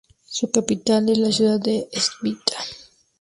Su capital es la ciudad de Svitavy.